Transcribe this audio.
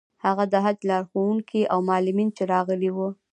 هغه د حج لارښوونکي او معلمین چې راغلي وو.